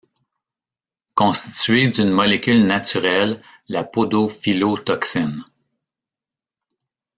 Constitué d'une molécule naturelle la Podophyllotoxine.